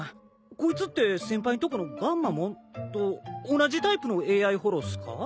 こいつって先輩んとこのガンマモン？と同じタイプのＡＩホロっすか？